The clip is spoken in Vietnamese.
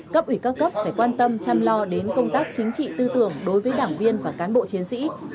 cấp ủy các cấp phải quan tâm chăm lo đến công tác chính trị tư tưởng đối với đảng viên và cán bộ chiến sĩ